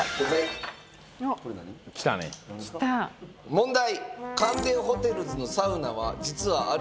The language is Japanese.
問題！